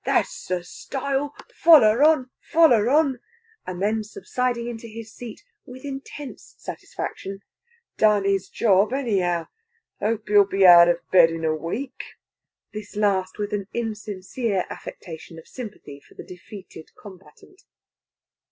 "That's the style! Foller on! Foller on!" And then, subsiding into his seat with intense satisfaction, "Done his job, anyhow! Hope he'll be out of bed in a week!" the last with an insincere affectation of sympathy for the defeated combatant.